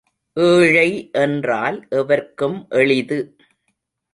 ஏழை என்றால் எவர்க்கும் எளிது.